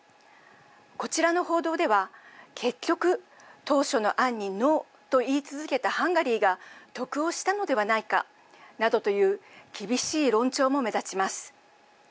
こちらの報道では結局、当初の案にノーと言い続けたハンガリーが得をしたのではないかなどという厳しい論調も目立ちます。